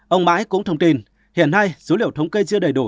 ông mãi cũng thông tin hiện nay số liệu thống kê chưa đầy đủ